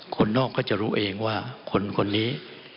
คนนอกก็จะรู้เองว่าคนนี้